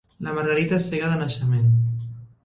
La Margarita és cega de naixement.